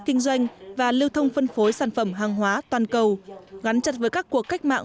kinh doanh và lưu thông phân phối sản phẩm hàng hóa toàn cầu gắn chặt với các cuộc cách mạng